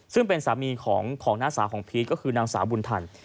ซึ่งเป็นสามีของน้าสาวของพีชก็คือนางสาวบุญทัน